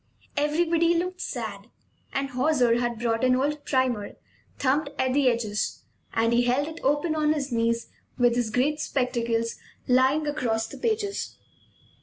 Everybody looked sad; and Hauser had brought an old primer, thumbed at the edges, and he held it open on his knees with his great spectacles lying across the pages.